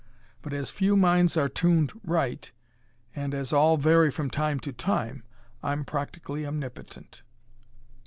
But as few minds are tuned right, and as all vary from time to time, I'm practically omnipotent."